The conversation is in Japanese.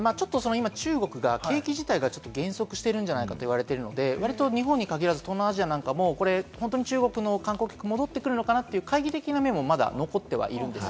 今、中国が景気自体が減速しているんじゃないかと言われているので、日本に限らず東南アジアなんかも中国の観光客が戻ってくるのかなって懐疑的な目も残っています。